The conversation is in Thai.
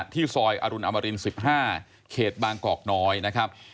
ที่ซอยอรุณอมริน๑๕เขตบางกอกน้อยนะครับ